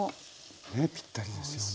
ねえぴったりですよね。